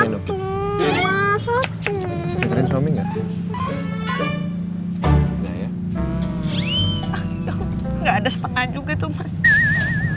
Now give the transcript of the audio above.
sendokkan sendoknyadonya missly kan